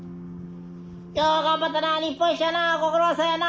よう頑張ったな日本一やなご苦労さんやな。